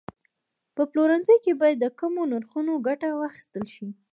په پلورنځي کې باید د کمو نرخونو ګټه واخیستل شي.